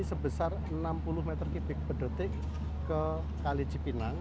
sebesar enam puluh meter kubik per detik ke kali cipinang